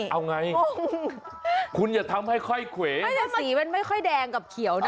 เอาไงคุณอย่าทำให้ค่อยเขวแต่สีมันไม่ค่อยแดงกับเขียวนะ